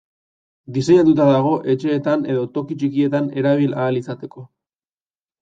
Diseinatuta dago etxeetan edo toki txikietan erabili ahal izateko.